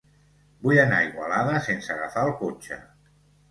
Vull anar a Igualada sense agafar el cotxe.